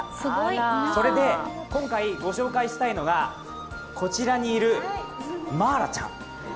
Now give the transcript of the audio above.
今回ご紹介したいのがこちらにいるマーラちゃん。